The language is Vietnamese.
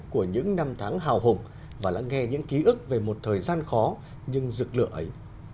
của những năm tháng hào hùng và lắng nghe những ký ức về một thời gian khó nhưng rực lửa ấy